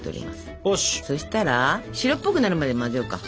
そしたら白っぽくなるまで混ぜようか。